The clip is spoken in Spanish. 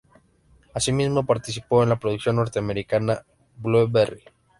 Así mismo participó en la producción norteamericana "Blueberry".